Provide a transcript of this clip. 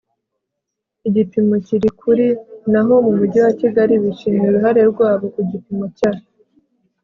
igipimo kiri kuri naho mu mujyi wa Kigali bishimiye uruhare rwabo ku gipimo cya